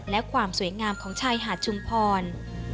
และความสวยงามของชายหาดชุมพร